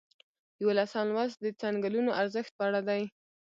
یوولسم لوست د څنګلونو ارزښت په اړه دی.